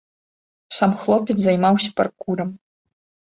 Сам хлопец займаўся паркурам.